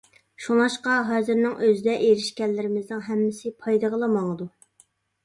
شۇڭلاشقا ھازىرنىڭ ئۆزىدە ئېرىشكەنلىرىمىزنىڭ ھەممىسى پايدىغىلا ماڭىدۇ.